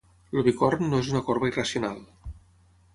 El bicorn no és una corba irracional.